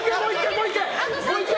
もう１回！